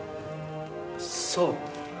そう。